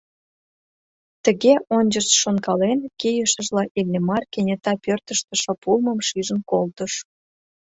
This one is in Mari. Тыге ончышт-шонкален кийышыжла Иллимар кенета пӧртыштӧ шып улмым шижын колтыш.